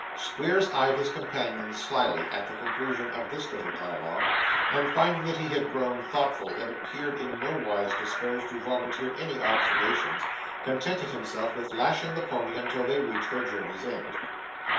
Squeers eyed his companion slyly, at the conclusion of this little dialogue, and finding that he had grown thoughtful and appeared in nowise disposed to volunteer any observations, contented himself with lashing the pony until they reached their journey's end.